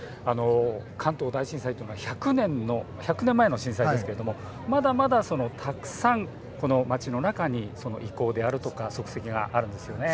関東大震災というのは１００年前の震災ですがまだまだ、たくさんこの街の中に遺構であるとか足跡があるんですよね。